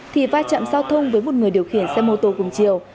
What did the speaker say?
thì va chạm giao thông với một người điều khiển xe mô tô cùng chiều